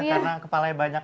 karena kepalanya banyak